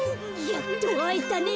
やっとあえたね。